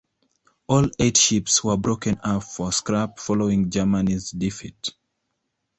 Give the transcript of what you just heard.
All eight ships were broken up for scrap following Germany's defeat.